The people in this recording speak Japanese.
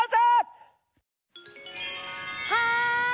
はい！